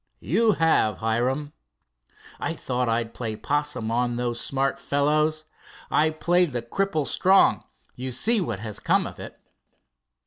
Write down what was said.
"You have, Hiram." "I thought I'd play 'possum on those smart fellows. I played the cripple strong. You see what has come of it."